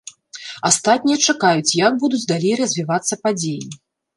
Астатнія чакаюць, як будуць далей развівацца падзеі.